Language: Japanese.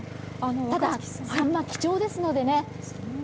ただ、サンマは貴重ですのでね。